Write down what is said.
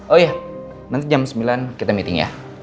oh iya nanti jam sembilan kita meeting ya